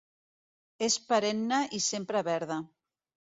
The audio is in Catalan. És perenne i sempre verda.